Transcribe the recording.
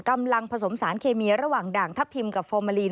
กำลังผสมสารเคมีระหว่างด่างทัพทิมกับฟอร์มาลีน